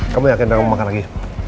kamu yakin gak mau makan lagi